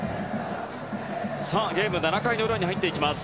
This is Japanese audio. ゲームは７回の裏に入っていきます。